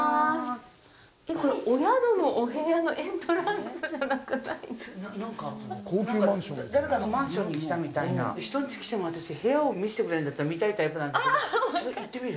これお宿のお部屋のエントランスじゃなくないですか誰かのマンションに来たみたいな人んち来ても私部屋を見せてくれるんだったら見たいタイプなんだけど行ってみる？